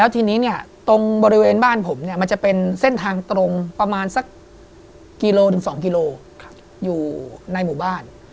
ทีนี้เนี่ยตรงบริเวณบ้านผมเนี่ยมันจะเป็นเส้นทางตรงประมาณสักกิโลถึง๒กิโลอยู่ในหมู่บ้าน